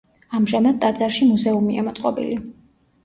ამჟამად ტაძარში მუზეუმია მოწყობილი.